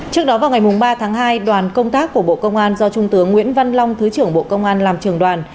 trước đó vào ngày ba tháng hai đoàn công tác của bộ công an do trung tướng nguyễn văn long thứ trưởng bộ công an làm trường đoàn